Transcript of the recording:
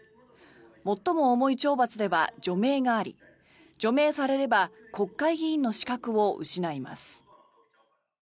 最も重い懲罰では除名があり除名されれば国会議員の資格を失います。